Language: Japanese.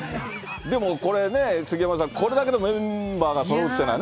でもこれね、杉山さん、これだけのメンバーがそろうっていうのは。